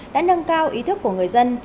đã nâng cao ý thức của người dân